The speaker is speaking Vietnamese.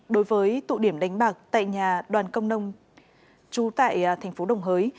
đối với tụ điểm đánh bạc tại nhà đoàn công nông trú tại tp đồng hới